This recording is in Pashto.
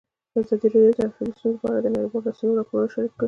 ازادي راډیو د ټرافیکي ستونزې په اړه د نړیوالو رسنیو راپورونه شریک کړي.